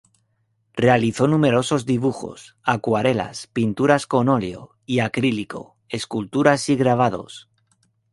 Realizó numerosos dibujos, acuarelas, pinturas con óleo y acrílico, esculturas y grabados.